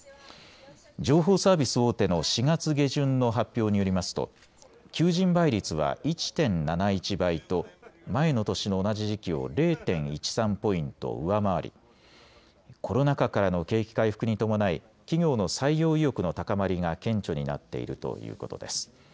情報サービス大手の４月下旬の発表によりますと求人倍率は１．７１倍と前の年の同じ時期を０．１３ポイント上回り、コロナ禍からの景気回復に伴い企業の採用意欲の高まりが顕著になっているということです。